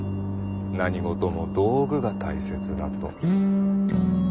何事も道具が大切だと。